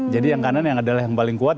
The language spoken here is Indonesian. jadi yang kanan yang adalah yang paling kuat